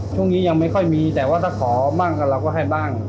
ช่วงนี้ยังไม่ค่อยมีแต่ว่าถ้าขอบ้างเราก็ให้บ้าง